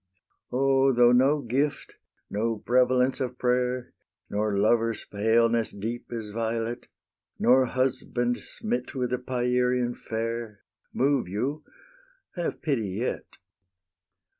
O, though no gift, no "prevalence of prayer," Nor lovers' paleness deep as violet, Nor husband, smit with a Pierian fair, Move you, have pity yet!